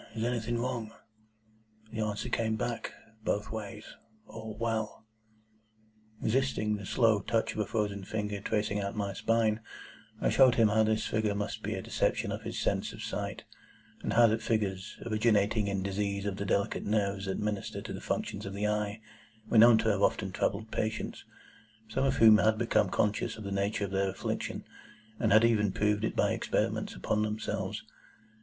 Is anything wrong?' The answer came back, both ways, 'All well.'" Resisting the slow touch of a frozen finger tracing out my spine, I showed him how that this figure must be a deception of his sense of sight; and how that figures, originating in disease of the delicate nerves that minister to the functions of the eye, were known to have often troubled patients, some of whom had become conscious of the nature of their affliction, and had even proved it by experiments upon themselves.